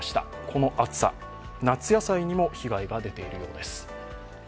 この暑さ、夏野菜にも被害が出ているようです。